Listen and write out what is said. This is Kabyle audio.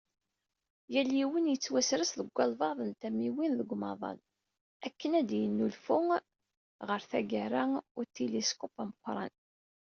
Yal yiwen yettwasres deg walbeɛḍ n tamiwin deg umaḍal, akken ad d-yennulfu ɣer taggara " utiliskup ameqqran."